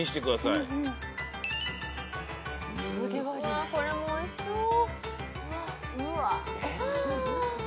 ・うわこれもおいしそう。